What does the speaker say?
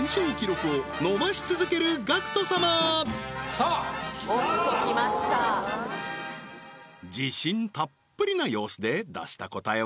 正解は自信たっぷりな様子で出した答えは？